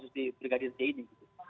di brigadir d ini